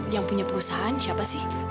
yang punya perusahaan siapa sih